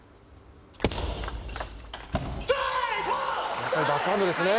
やっぱりバックハンドですね。